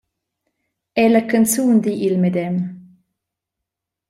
Era la canzun di il medem.